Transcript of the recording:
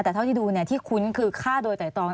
แต่เท่าที่ดูที่คุ้นคือฆ่าโดยไตรตรอง